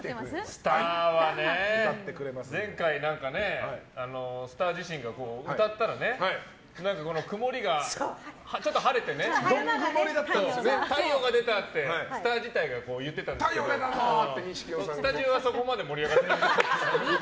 スターは前回、スター自身が歌ったらね何か曇りがちょっと晴れてね太陽が出た！ってスター自体が言ってたんですけどスタジオはそこまで盛り上がってなかった。